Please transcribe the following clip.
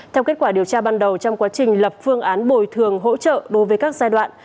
theo kết quả điều tra ban đầu trong quá trình lập phương án bồi thường hỗ trợ đối với các giai đoạn